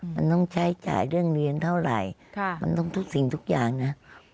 มันต้องใช้จ่ายเรื่องเรียนเท่าไหร่มันต้องทุกสิ่งทุกอย่างนะ